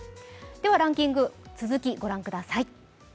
ランキング、続きをご覧ください。